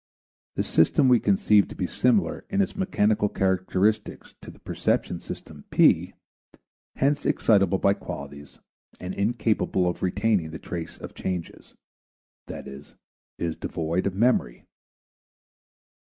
This system we conceive to be similar in its mechanical characteristics to the perception system P, hence excitable by qualities and incapable of retaining the trace of changes, i.e. it is devoid of memory.